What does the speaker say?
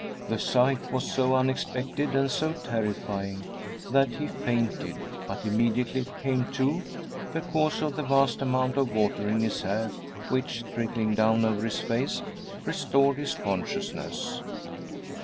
The sight was so unexpected and so terrifying that he fainted, but immediately came to, because of the vast amount of water in his hair, which, trickling down over his face, restored his consciousness.